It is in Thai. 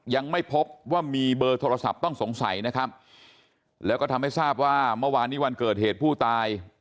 ยังไม่พบว่ามีเบอร์โทรศัพท์ต้องสงสัยนะครับแล้วก็ทำให้ทราบว่าเมื่อวานนี้วันเกิดเหตุผู้ตาย